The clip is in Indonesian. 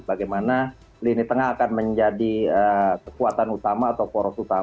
bagaimana lini tengah akan menjadi kekuatan utama